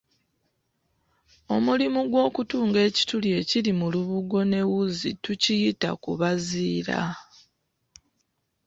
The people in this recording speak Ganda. Omulimu gw’okutunga ekituli ekiri mu lubugo n’ewuzi tukiyita kubaziira.